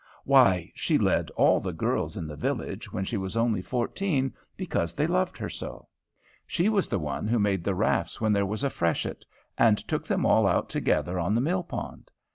Why! she led all the girls in the village, when she was only fourteen, because they loved her so. She was the one who made the rafts when there was a freshet, and took them all out together on the mill pond.